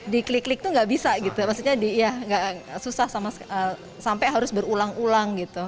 di klik klik itu nggak bisa maksudnya susah sampai harus berulang ulang